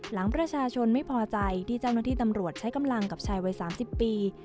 หลังประชาชนไม่พอใจที่เจ้าหน้าที่ตำรวจใช้กำลังกับชายวัย๓๐ปี